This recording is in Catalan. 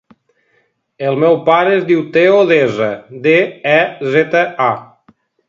El meu pare es diu Theo Deza: de, e, zeta, a.